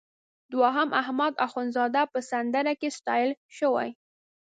دوهم احمد اخوندزاده په سندره کې ستایل شوی.